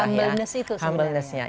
humbleness itu sebenarnya